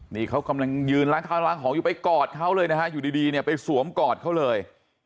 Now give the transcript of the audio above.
นี่เขากำลังยืนล้างข้าวล้างของอยู่ไปกอดเขาเลยนะฮะอยู่ดีเนี่ยไปสวมกอดเขาเลย